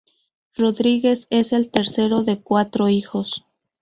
Rodríguez es el tercero de cuatro hijos.